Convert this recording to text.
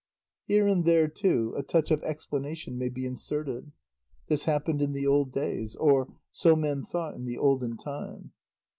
Here and there, too, a touch of explanation may be inserted. "This happened in the old days," or "So men thought in the olden time."